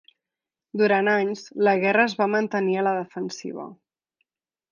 Durant anys, la guerra es va mantenir a la defensiva.